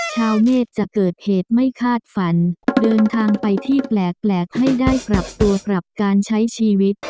ชาวเมษจะเกิดเหตุไม่คาดฝันเดินทางไปที่แปลกให้ได้ปรับตัวปรับการใช้ชีวิต